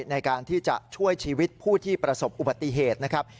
ในการที่จะช่วยชีวิตผู้ที่ประสบอุบัติเหตุนะครับ